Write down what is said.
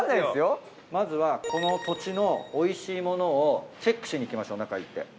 まずはこの土地のおいしいものをチェックしに行きましょう中行って。